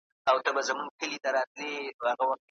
قاضي عبدالودود د اخلاقي معیار په اړه خبرې کړي.